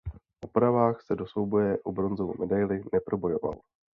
V opravách se do souboje o bronzovou medaili neprobojoval.